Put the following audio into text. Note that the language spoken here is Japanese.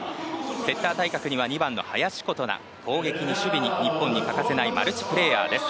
セッター対格には２番の林琴奈攻撃に守備に日本に欠かせないマルチプレーヤーです。